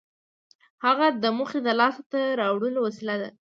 هڅه د موخې د لاس ته راوړلو وسیله ده.